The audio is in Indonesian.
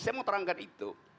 saya mau terangkan itu